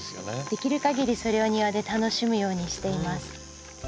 できるかぎりそれを庭で楽しむようにしています。